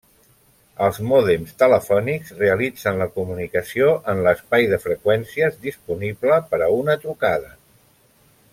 Els mòdems telefònics realitzen la comunicació en l'espai de freqüències disponible per a una trucada.